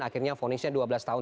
akhirnya fonisnya dua belas tahun